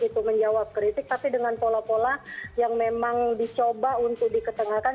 itu menjawab kritik tapi dengan pola pola yang memang dicoba untuk diketengahkan